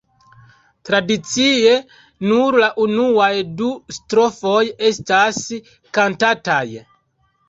Tradicie, nur la unuaj du strofoj estas kantataj.